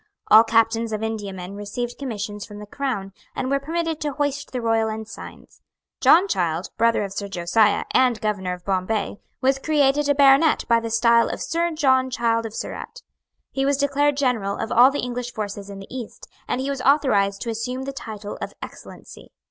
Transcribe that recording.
All captains of Indiamen received commissions from the Crown, and were permitted to hoist the royal ensigns. John Child, brother of Sir Josiah, and Governor of Bombay, was created a baronet by the style of Sir John Child of Surat: he was declared General of all the English forces in the East; and he was authorised to assume the title of Excellency.